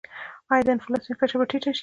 آیا د انفلاسیون کچه به ټیټه شي؟